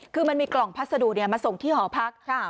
คือมันมีกล่องพัสดุมาส่งที่หอพัก